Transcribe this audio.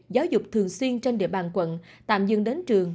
giáo dục thường xuyên trên địa bàn quận tạm dừng đến trường